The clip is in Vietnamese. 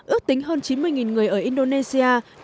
ước tính hơn chín mươi người ở indonesia